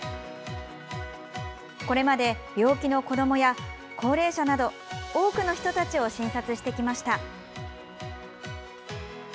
これまで病気の子どもや高齢者など多くの人たちを診察してきました。